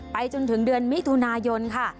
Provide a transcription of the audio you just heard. จนถึงเดือนมิถุนายนค่ะ